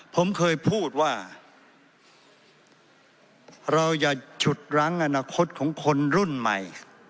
ผมเคยพูดว่าเราอย่าฉุดรั้งอนาคตของคนรุ่นใหม่